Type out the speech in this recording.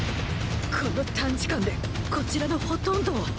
この短時間でこちらのほとんどを！